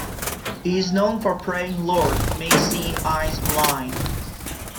He is known for praying Lord, make seeing eyes blind.